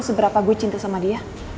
seberapa gue cinta sama dia